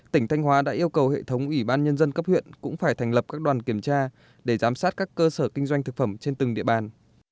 tỉnh thanh hóa đã yêu cầu hệ thống ủy ban nhân dân cấp huyện cũng phải thành lập các đoàn kiểm tra để giám sát các cơ sở kinh doanh thực phẩm trên từng địa bàn